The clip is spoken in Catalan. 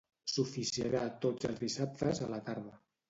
S'oficiarà tots els dissabtes a la tarda.